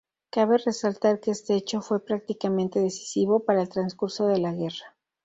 Cabe resaltar que este hecho fue prácticamente decisivo para el transcurso de la guerra.